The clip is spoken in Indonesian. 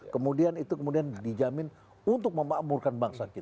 kemudian itu kemudian dijamin untuk memakmurkan bangsa kita